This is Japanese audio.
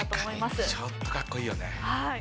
確かにちょっとかっこいいよね。